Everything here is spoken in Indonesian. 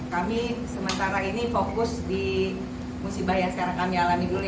kami sementara ini fokus di musibah yang sekarang kami alami dulu